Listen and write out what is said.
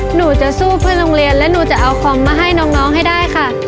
หนูจะสู้เพื่อโรงเรียนและหนูจะเอาคอมมาให้น้องให้ได้ค่ะ